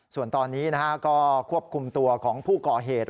ส่วนตอนนี้ก็ควบคุมตัวของผู้ก่อเหตุ